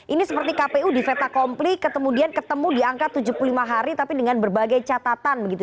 ini seperti kpu di veta kompli kemudian ketemu di angka tujuh puluh lima hari tapi dengan berbagai catatan begitu